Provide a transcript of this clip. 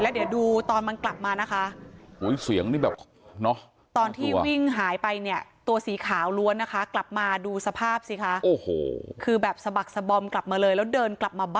แล้วเดี๋ยวดูตอนมันกลับมานะคะโอ่ยเสียงนี่แบบตอนที่หายไปเนี่ย